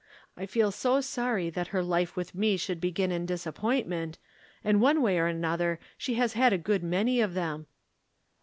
I feel so sorry that her life with me should begin in disappointment, and one way or another she has a good many of them."